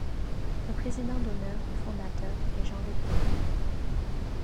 Le président d'honneur et fondateur est Jean-Luc Cloupet.